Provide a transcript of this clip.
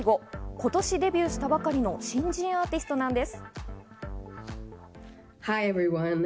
今年デビューしたばかりの新人アーティストなんです。